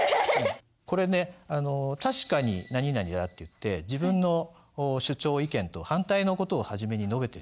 これね確かに何々だっていって自分の主張意見と反対の事を初めに述べているね。